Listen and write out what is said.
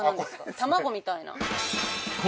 卵みたいな。